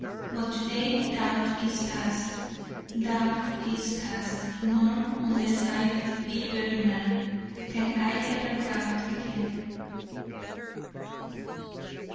But to day doubt is past, doubt is past: nor, unless I be very mad, can I ever doubt again.